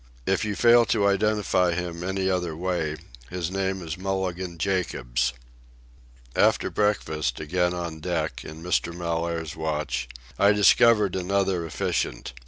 If you fail to identify him any other way, his name is Mulligan Jacobs." After breakfast, again on deck, in Mr. Mellaire's watch, I discovered another efficient.